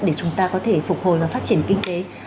để chúng ta có thể phục hồi và phát triển kinh tế